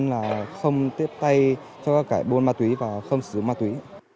là không tiếp tay cho các cải bôn ma túy và không sử dụng ma túy